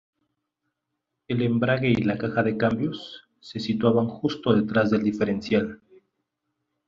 El embrague y la caja de cambios se situaban justo detrás del diferencial.